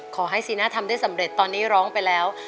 ซีน่าทำได้สำเร็จตอนนี้ร้องไปแล้ว